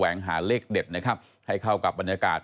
แสวงหาเลขเด็ดให้เข้ากับบรรยากาศ